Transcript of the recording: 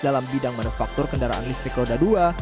dalam bidang manufaktur kendaraan listrik roda dua